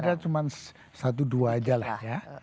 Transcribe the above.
ada cuma satu dua aja lah ya